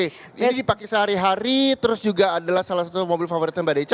ini dipakai sehari hari terus juga adalah salah satu mobil favoritnya mbak deca